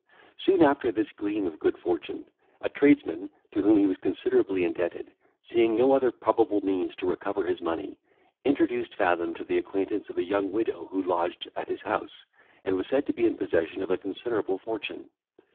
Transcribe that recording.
Soon after this gleam of good fortune, a tradesman, to whom he was considerably indebted, seeing no other probable means to recover his money, introduced Fathom to the acquaintance of a young widow who lodged at his house, and was said to be in possession of a considerable fortune.